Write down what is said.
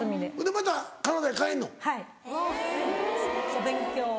お勉強を。